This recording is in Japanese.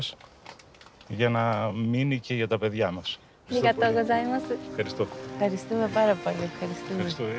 ありがとうございます。